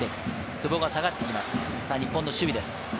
久保が下がってきます、日本の守備です。